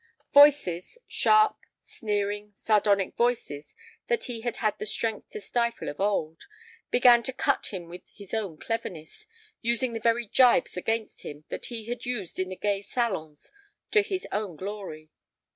Voices—sharp, sneering, sardonic voices that he had had the strength to stifle of old—began to cut him with his own cleverness, using the very gibes against him that he had used in the gay salons to his own glory.